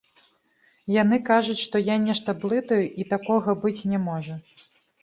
Яны кажуць, што я нешта блытаю і такога быць не можа.